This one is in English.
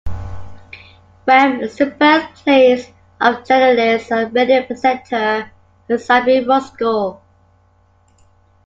Wem is the birthplace of journalist and radio presenter, Sybil Ruscoe.